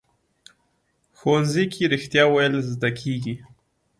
ښوونځی کې رښتیا ویل زده کېږي